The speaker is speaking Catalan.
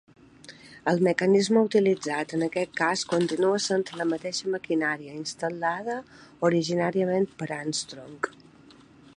El mecanisme utilitzat en aquest cas continua sent la mateixa maquinària instal·lada originalment per Armstrong.